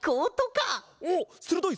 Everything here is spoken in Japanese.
おっするどい！